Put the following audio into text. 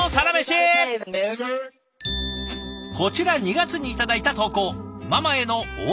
こちら２月に頂いた投稿。